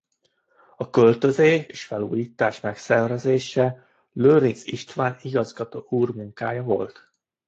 A költözés és felújítás megszervezése Lőrincz István igazgató úr munkája volt.